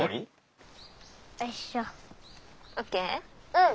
うん。